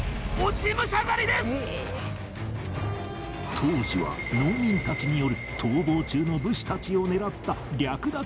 当時は農民たちによる逃亡中の武士たちを狙った略奪などの危険性が